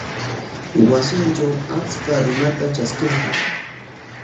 Wasintraw achka runata traskirqan.